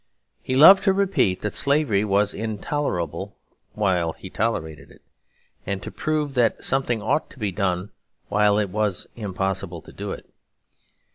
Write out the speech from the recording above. He loved to repeat that slavery was intolerable while he tolerated it, and to prove that something ought to be done while it was impossible to do it.